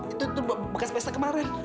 itu tuh bekas pesta kemarin